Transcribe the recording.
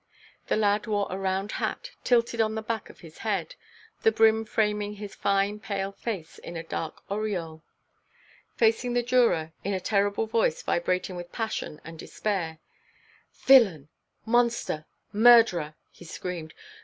The lad wore a round hat, tilted on the back of his head, the brim framing his fine pale face in a dark aureole. Facing the juror, in a terrible voice vibrating with passion and despair: "Villain, monster, murderer!" he screamed.